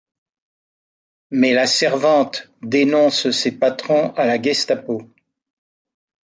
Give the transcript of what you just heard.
Mais la servante dénonce ses patrons à la Gestapo.